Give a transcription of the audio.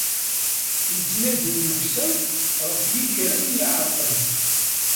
Yettnadi umeksa ɣef yikerri iεerqen.